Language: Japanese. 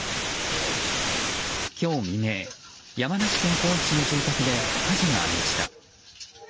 今日未明、山梨県甲府市の住宅で火事がありました。